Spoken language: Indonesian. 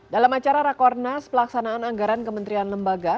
dalam acara rakornas pelaksanaan anggaran kementerian lembaga